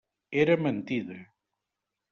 Era mentida.